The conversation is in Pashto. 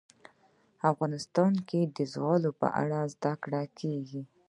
افغانستان کې د زغال په اړه زده کړه کېږي.